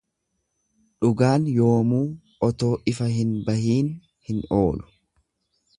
Dhugaan yoomuu otoo ifa hin bahiin hin oolu.